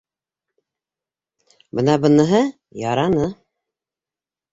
— Бына быныһы яраны.